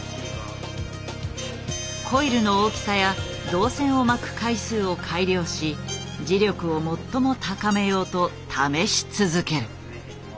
コイルの大きさや銅線を巻く回数を改良し磁力を最も高めようと試し続ける。